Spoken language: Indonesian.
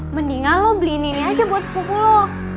mendingan lo beliin ini aja buat sepupu lo